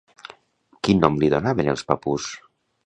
Quin nom li donaven els papús?